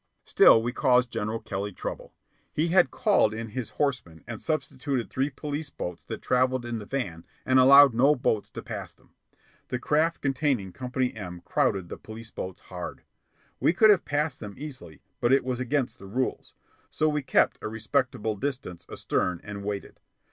Still we caused General Kelly trouble. He had called in his horsemen, and substituted three police boats that travelled in the van and allowed no boats to pass them. The craft containing Company M crowded the police boats hard. We could have passed them easily, but it was against the rules. So we kept a respectful distance astern and waited.